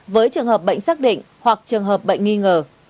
với trường hợp bệnh xác định hoặc trường hợp bệnh nghi ngờ